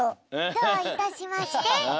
どういたしまして。